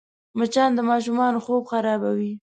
مچان د ماشومانو خوب خرابوي